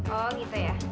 oh gitu ya